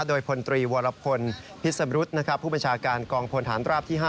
โดยพลตรีวรพลพิษบรุษผู้บัญชาการกองพลฐานราบที่๕